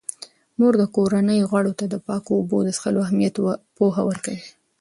مور د کورنۍ غړو ته د پاکو اوبو د څښلو اهمیت پوهه ورکوي.